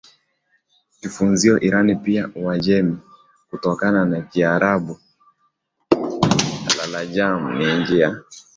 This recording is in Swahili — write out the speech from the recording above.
Konfusio Iran pia Uajemi kutokana na Kiarabu اalajam ni nchi ya